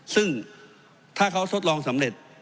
ซึ่งถ้าเขาทดลองสำเร็จ